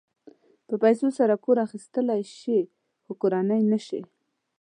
په پیسو سره کور اخيستلی شې خو کورنۍ نه شې.